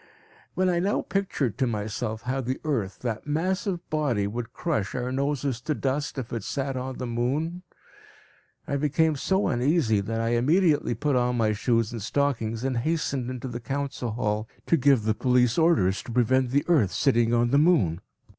When I now pictured to myself how the earth, that massive body, would crush our noses to dust, if it sat on the moon, I became so uneasy, that I immediately put on my shoes and stockings and hastened into the council hall to give the police orders to prevent the earth sitting on the moon.